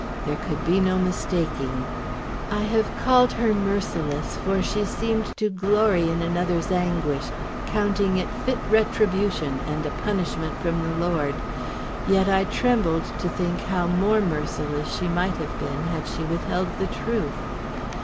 There could be no mistaking. I have called her merciless, for she seemed to glory in another's anguish, counting it fit retribution and a punishment from the Lord. Yet I trembled to think how more merciless she might have been had she withheld the truth!